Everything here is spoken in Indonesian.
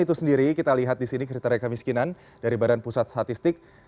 itu sendiri kita lihat di sini kriteria kemiskinan dari badan pusat statistik